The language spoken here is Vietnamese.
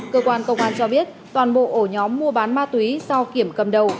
cơ quan công an cho biết toàn bộ ổ nhóm mua bán ma túy do kiểm cầm đầu